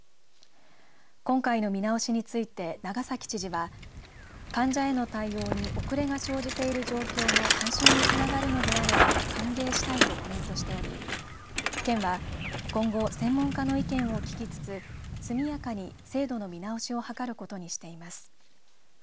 今回の見直しについて長崎知事は患者への対応に遅れが生じている状況の解消につながるのであれば歓迎したいとコメントしており県は今後専門家の意見を聞きつつ速やかに制度の見直しを図ることにしています。